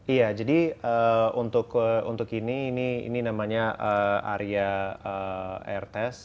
iya jadi untuk ini ini namanya area air test